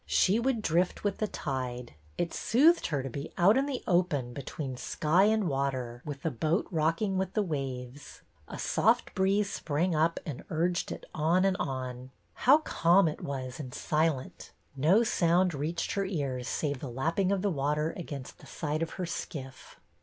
She would drift with the tide. It soothed her to be out in the open between sky and water, with the boat rocking with the waves. A soft breeze sprang up and urged it on and on. How calm it /'WE REGRET" 155 was and silent! No sound reached her ears save the lapping of the water against the side of her skiff.